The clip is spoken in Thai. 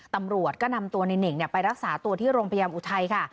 ตำรวจก็นำตัวในเน่งไปรักษาตัวที่โรงพยาบาลอุทัยค่ะ